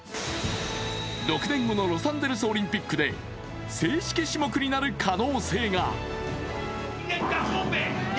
６年後のロサンゼルスオリンピックで正式種目になる可能性が。